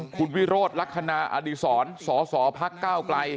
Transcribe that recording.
คุณวิโรธลักษณะอดีศรสสพักก้าวไกล